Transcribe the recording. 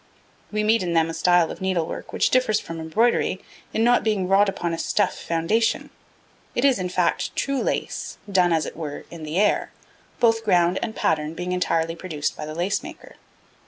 We meet in them with a style of needle work which differs from embroidery in not being wrought upon a stuff foundation. It is, in fact, true lace, done, as it were, 'in the air,' both ground and pattern being entirely produced by the lace maker.